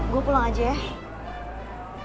gue pulang aja ya